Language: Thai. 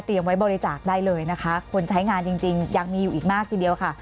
ไว้บริจาคได้เลยนะคะคนใช้งานจริงยังมีอยู่อีกมากทีเดียวค่ะ